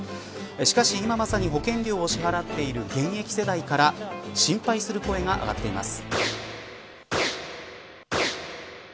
しかし今まさに保険料を支払っている現役世代から心配する声が上がっています。